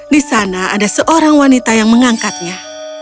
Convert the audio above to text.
di sana ada seorang wanita yang mengangkatnya